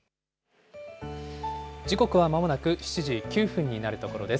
時刻はまもなく７時９分になるところです。